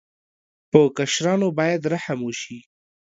په کشرانو باید رحم وشي.